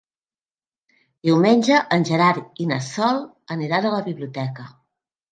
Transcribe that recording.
Diumenge en Gerard i na Sol aniran a la biblioteca.